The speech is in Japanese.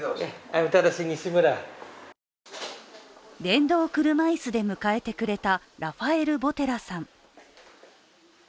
電動車椅子で迎えてくれたラファエル・ボテラさん。